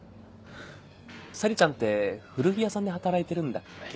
さりちゃんって古着屋さんで働いてるんだっけ？